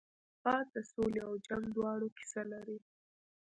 باد د سولې او جنګ دواړو کیسه لري